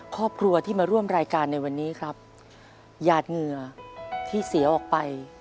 ครอบครัวที่มาร่วมรายการในวันนี้ครับหยาดเหงื่อที่เสียออกไป